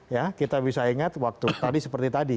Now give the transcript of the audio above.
ya kita bisa ingat waktu tadi seperti tadi